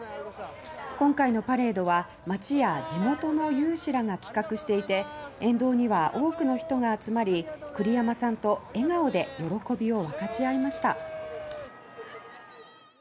今回のパレードは町や地元の有志らが企画していて沿道には多くの人が集まり栗山さんと笑顔で喜びを分かち合いました。